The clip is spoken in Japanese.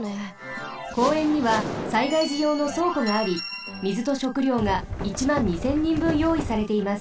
公園には災害じようのそうこがあり水と食料が１２０００人分よういされています。